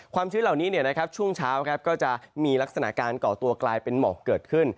ชื้นเหล่านี้ช่วงเช้าก็จะมีลักษณะการก่อตัวกลายเป็นหมอกเกิดขึ้น